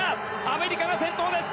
アメリカが先頭です。